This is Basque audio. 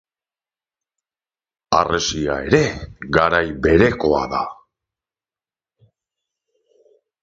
Harresia ere garai berekoa da.